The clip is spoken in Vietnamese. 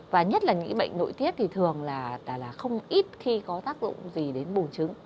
và nhất là những bệnh nội tiết thì thường là không ít khi có tác dụng gì đến bùn trứng